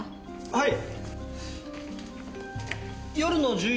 はい。